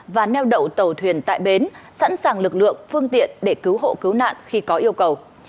và neo đậu tàu thuyền tại bến sẵn sàng lực lượng phương tiện để cứu hộ cứu nạn khi có yêu cầu